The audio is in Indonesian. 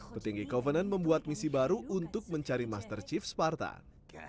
petinggi covenant membuat misi baru untuk mencari master chief spartan